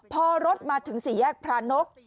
พอรถมาถึงสี่แยกพระนก